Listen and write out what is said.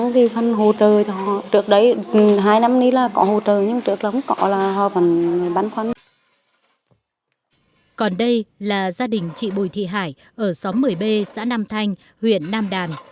còn đây là gia đình chị bùi thị hải ở xóm một mươi b xã nam thanh huyện nam đàn